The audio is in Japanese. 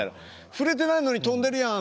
「触れてないのに飛んでるやん！」